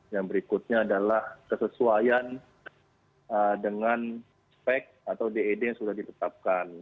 yang berikutnya adalah kesesuaian dengan spek atau ded yang sudah ditetapkan